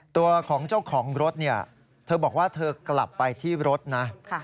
ตัวของเจ้าของรถเนี่ยเธอบอกว่าเธอกลับไปที่รถนะ